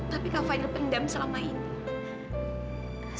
tapi kak fair pendam selama ini